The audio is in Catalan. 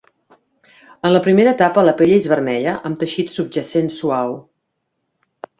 En la primera etapa la pell és vermella amb teixit subjacent suau.